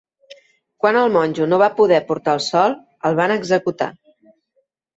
Quan el monjo no va poder portar el sol, el van executar.